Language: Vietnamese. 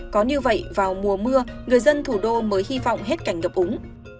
có như vậy vào mùa mưa người dân thủ đô mới hy vọng hết cảnh ngập úng